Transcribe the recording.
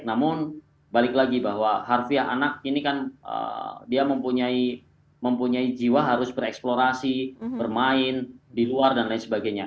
namun balik lagi bahwa harfiah anak ini kan dia mempunyai jiwa harus bereksplorasi bermain di luar dan lain sebagainya